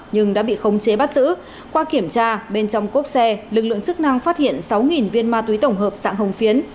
nhưng đã bị khống chế bắt giữ qua kiểm tra bên trong cốp xe lực lượng chức năng phát hiện sáu viên ma túy tổng hợp sạng hồng phiến